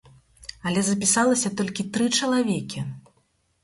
Але запісалася толькі тры чалавекі.